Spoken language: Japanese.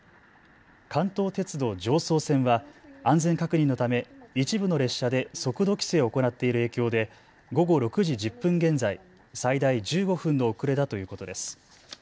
関東鉄道常総線は安全確認のため一部の列車で速度規制を行っている影響で午後６時１０分現在、最大１５分の遅れだということです。